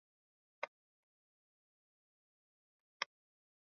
Leo kuna shughuli nyingi sana.